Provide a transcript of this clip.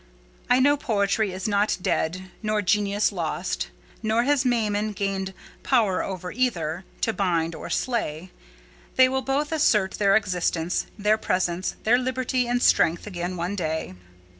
I know poetry is not dead, nor genius lost; nor has Mammon gained power over either, to bind or slay: they will both assert their existence, their presence, their liberty and strength again one day.